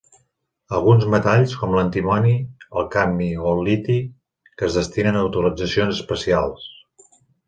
Alguns metalls com l'antimoni, el cadmi o el liti que es destinen a utilitzacions especials.